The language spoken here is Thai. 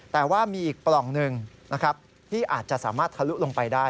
แต่ว่ามีอีกปล่องหนึ่งนะครับที่อาจจะสามารถทะลุลงไปได้